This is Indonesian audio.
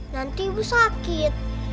nanti ibu sakit